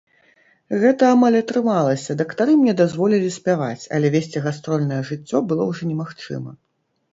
Гэта амаль атрымалася, дактары мне дазволілі спяваць, але весці гастрольнае жыццё было ўжо немагчыма.